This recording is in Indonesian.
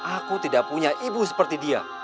aku tidak punya ibu seperti dia